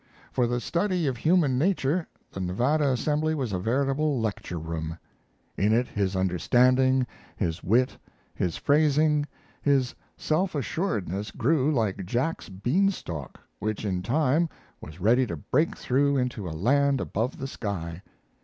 For the study of human nature the Nevada assembly was a veritable lecture room. In it his understanding, his wit, his phrasing, his self assuredness grew like Jack's bean stalk, which in time was ready to break through into a land above the sky.